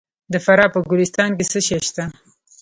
د فراه په ګلستان کې څه شی شته؟